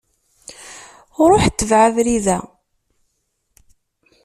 Ruḥ tbeε abrid-a.